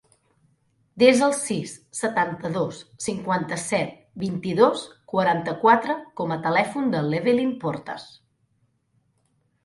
Desa el sis, setanta-dos, cinquanta-set, vint-i-dos, quaranta-quatre com a telèfon de l'Evelyn Portas.